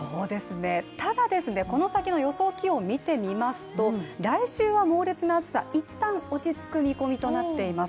ただ、この先の予想気温見てみますと来週は猛烈な暑さ、一旦落ち着く見込みとなっています。